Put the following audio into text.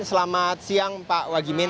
selamat siang pak wagimin